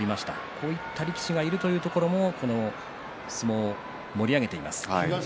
こういった力士がいるというのも相撲を盛り上げています。